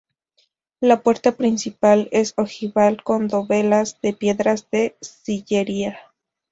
La puerta principal es ojival con dovelas de piedras de sillería.